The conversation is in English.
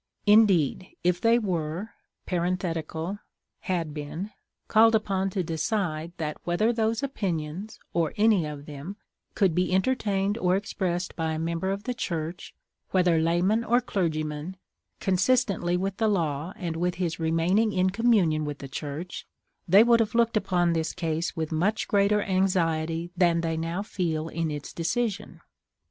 Indeed, "If they were [had been] called upon to decide that [whether] those opinions, or any of them, could be entertained or expressed by a member of the Church, whether layman or clergyman, consistently with the law and with his remaining in communion with the Church, they would have looked upon this case with much greater anxiety than they now feel in its decision."